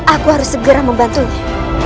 aku harus segera membantunya